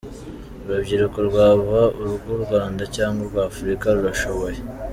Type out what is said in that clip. Urubyiruko rwaba urw’u Rwanda cg urwa Africa rurashoboye.”